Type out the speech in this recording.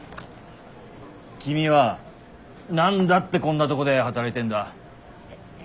君は何だってこんなとこで働いてんだ？